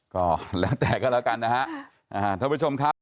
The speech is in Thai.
ก็แล้วแต่ก็แล้วกันนะฮะท่านผู้ชมครับ